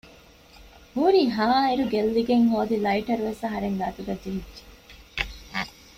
ހުރިހާއިރު ގެއްލިގެން ހޯދި ލައިޓަރުވެސް އަހަރެންގެ އަތުގައި ޖެހިއްޖެ